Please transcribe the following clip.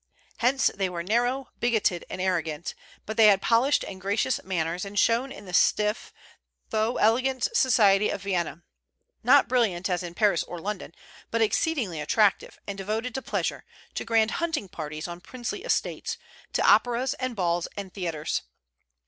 Hence, they were narrow, bigoted, and arrogant; but they had polished and gracious manners, and shone in the stiff though elegant society of Vienna, not brilliant as in Paris or London, but exceedingly attractive, and devoted to pleasure, to grand hunting parties on princely estates, to operas and balls and theatres.